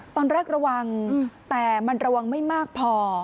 ตอนแรกระวังแต่มันระวังไม่มากพอ